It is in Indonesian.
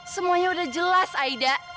semuanya udah jelas aida